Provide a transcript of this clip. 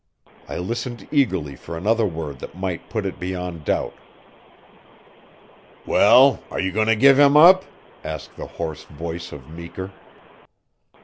I listened eagerly for another word that might put it beyond doubt. "Well, are you going to give him up?" asked the hoarse voice of Meeker.